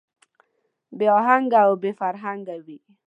بې اهنګه او بې فرهنګه وي.